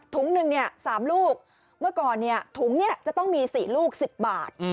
หนึ่ง๓ลูกเมื่อก่อนถุงนี้จะต้องมี๔ลูก๑๐บาท